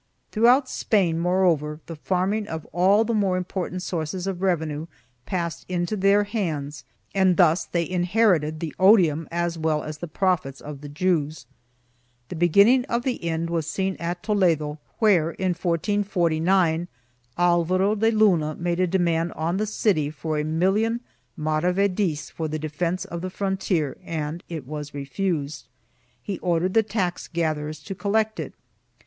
Throughout Spain, moreover, the farming of all the more important sources of revenue passed into their hands and thus they inherited the odium as well as the profits of the Jews.1 The beginning of the end was seen at Toledo where, in 1449, Alvaro de Luna made a demand on the city for a million mara vedis for the defence of the frontier and it was refused. He ordered the tax gatherers to collect it.